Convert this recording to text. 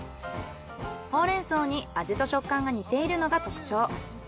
ホウレンソウに味と食感が似ているのが特徴。